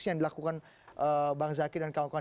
yang dilakukan bang zaky dan kawan kawan